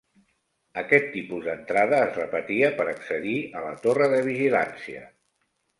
Aquest tipus d'entrada es repetia per accedir a la torre de vigilància.